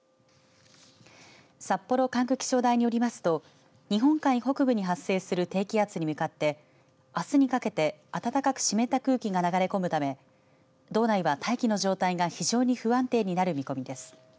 札幌管区気象台によりますと日本海北部に発生する低気圧に向かってあすにかけて暖かく湿った空気が流れ込むため道内は大気の状態が非常に不安定になる見込みです。